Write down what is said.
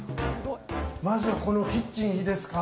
まず、このキッチンいいですか？